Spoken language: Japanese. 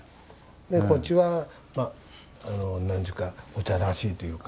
でこっちは何ちゅうかお茶らしいというか。